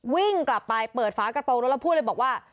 วิ่งกลับไปเปิดฝากระโปรงรถแล้วพูดเลยบอกว่า